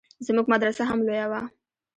زموږ مدرسه هم لويه وه.